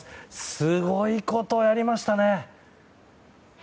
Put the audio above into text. すごいことをやりましたね。